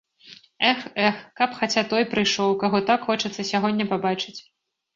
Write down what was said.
Эх, эх, каб хаця той прыйшоў, каго так хочацца сягоння пабачыць.